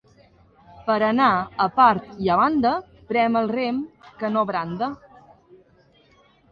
Per anar a part i a banda, pren el rem que no branda.